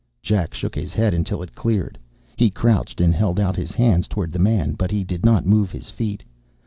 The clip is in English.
Jack shook his head until it cleared. He crouched and held out his hands toward the man, but he did not move his feet.